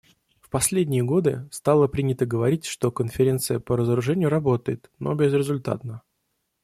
В последние годы стало принято говорить, что Конференция по разоружению работает, но безрезультатно.